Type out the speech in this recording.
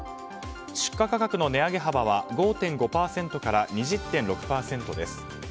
出荷価格の値上げ幅は５．５％から２０．６％です。